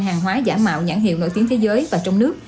hàng hóa giả mạo nhãn hiệu nổi tiếng thế giới và trong nước